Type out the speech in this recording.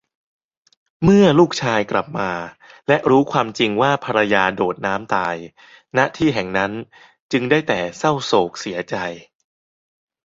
เมื่อลูกชายกลับมาและรู้ความจริงว่าภรรยาโดดน้ำตาย ณ ที่แห่งนั้นจึงได้แต่ เศร้าโศกเสียใจ